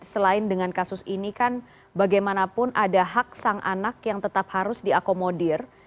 selain dengan kasus ini kan bagaimanapun ada hak sang anak yang tetap harus diakomodir